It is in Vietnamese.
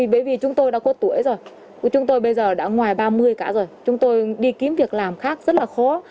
bởi vì chúng tôi đã có tuổi rồi chúng tôi bây giờ đã ngoài ba mươi cả rồi chúng tôi đi kiếm việc làm khác rất là khó